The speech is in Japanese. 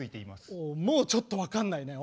もうちょっと分かんないね。